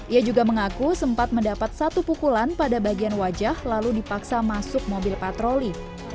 ia juga mengaku sempat mendapat satu pukulan pada bagian wajah lalu dipaksa masuk mobil patroli